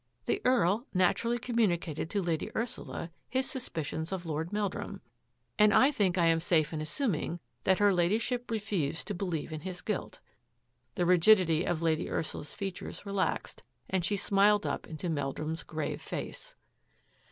" The Earl naturally communicated to Lady Ur sula his suspicions of Lord Meldrum, and I think THE CONFESSION 256 I am safe in assuming that her Ladyship refused to believe in his guilt." The rigidity of Lady Ursula's features relaxed and she smiled up into Meldrum's grave face.